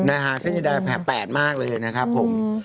นะฮะฉันจะได้แผ่นมากเลยนะครับผม